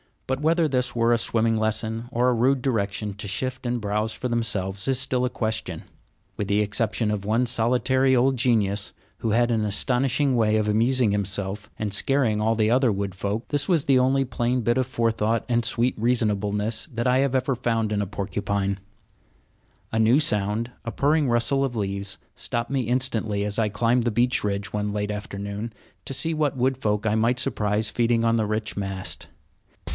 But whether this were a swimming lesson, or a rude direction to shift and browse for themselves, is still a question. With the exception of one solitary old genius, who had an astonishing way of amusing himself and scaring all the other wood folk, this was the only plain bit of fore thought and sweet reasonableness that I have ever found in a porcupine. A LAZY FELLOW'S FUN A new sound, a purring rustle of leaves, stopped me instantly as I climbed the beech ridge, one late afternoon, to see what wood folk I might surprise feeding on the rich mast.